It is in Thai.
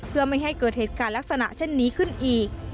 เพื่อไม่ให้เกิดเหตุการณ์ลักษณะเช่นนี้ขึ้นอีก